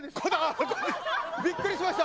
びっくりしました。